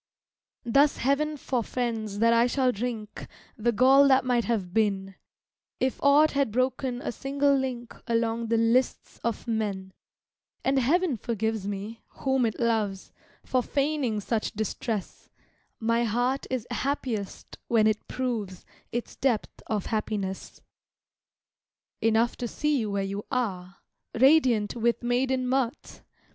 Thus heaven forfends that I shall drink The gall that might have been, If aught had broken a single link Along the lists of men; And heaven forgives me, whom it loves, For feigning such distress: My heart is happiest when it proves Its depth of happiness. Enough to see you where you are, Radiant with maiden mirth!